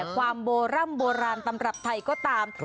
ความโบร่ำโบราณตำรับไทยก็ตาม